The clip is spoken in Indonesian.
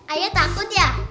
ayah takut ya